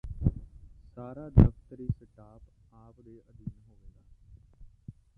ਸਾਰਾ ਦਫ਼ਤ੍ਰੀ ਸਟਾਪ ਆਪ ਦੇ ਅਧੀਨ ਹੋਵੇਗਾ